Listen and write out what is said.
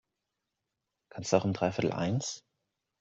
Kannst du auch um dreiviertel eins?